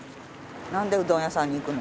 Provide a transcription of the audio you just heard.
なんでうどん屋さんに行くの？